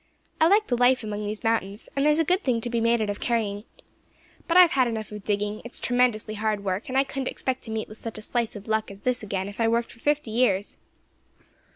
I like the life among these mountains, and there is a good thing to be made out of carrying. But I have had enough of digging; it's tremendously hard work, and I couldn't expect to meet with such a slice of luck as this again if I worked for fifty years."